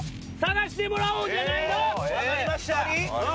分かりました！